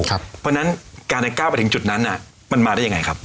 เพราะฉะนั้นการก้าวไปถึงจุดนั้นมันมาได้ยังไงครับ